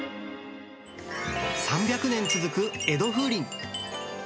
３００年続く江戸風鈴。